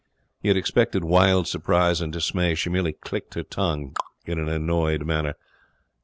He had expected wild surprise and dismay. She merely clicked her tongue in an annoyed manner.